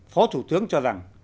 phó thủ tướng cho rằng